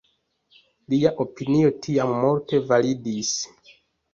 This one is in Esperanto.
Lia opinio tiam multe validis.